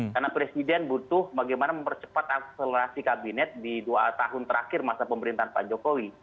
karena presiden butuh bagaimana mempercepat akselerasi kabinet di dua tahun terakhir masa pemerintahan pak jokowi